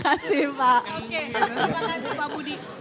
oke terima kasih pak budi